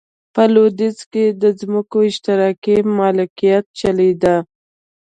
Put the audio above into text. په لوېدیځ کې د ځمکو اشتراکي مالکیت چلېده.